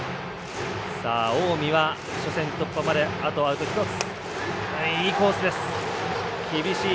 近江は初戦突破まであとアウト１つ。